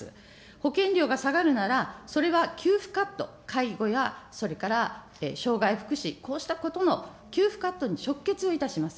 保険料が下がるなら、それは給付カット、介護やそれからしょうがい福祉、こうしたことの給付カットに直結いたします。